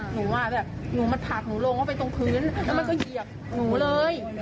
แบบหนูมันผลักหนูลงเข้าไปตรงพื้นแล้วมันก็เหยียบหนูเลย